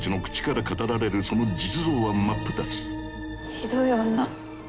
ひどい女。